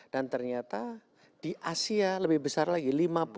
dan ternyata di asia lebih besar lagi